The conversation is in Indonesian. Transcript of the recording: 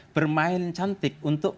bermain cantik untuk